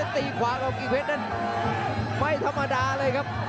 ตีขวาของกิ่งเพชรนั้นไม่ธรรมดาเลยครับ